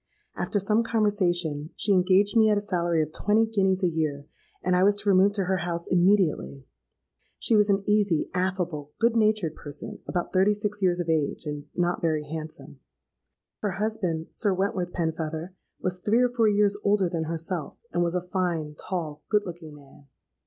After some conversation, she engaged me at a salary of twenty guineas a year; and I was to remove to her house immediately. She was an easy, affable, good natured person—about thirty six years of age, and not very handsome. Her husband, Sir Wentworth Penfeather, was three or four years older than herself, and was a fine, tall, good looking man.